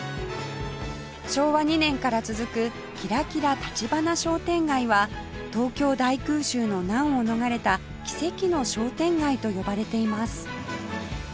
昭和２年から続くキラキラ橘商店街は東京大空襲の難を逃れた奇跡の商店街と呼ばれています